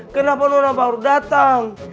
kenapa nona baru datang